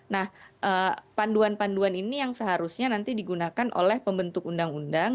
nah panduan panduan ini yang seharusnya nanti digunakan oleh pembentuk undang undang